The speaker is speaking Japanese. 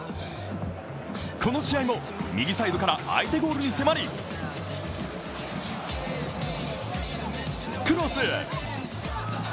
この試合も右サイドから相手ゴールに迫りクロス！